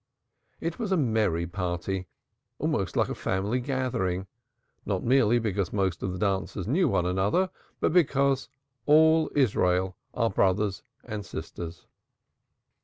It was a merry party, almost like a family gathering, not merely because most of the dancers knew one another, but because "all Israel are brothers" and sisters.